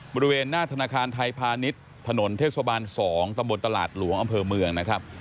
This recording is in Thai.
บริเวณหน้าธนาคารไทยพาณิชย์ถนนเทศบาล๒ตำบลตลาดหลวงอำเภอเมืองนะครับ